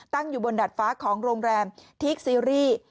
ตั้งอยู่บนดัดฟ้าของโรงแรมทีคซีรีส์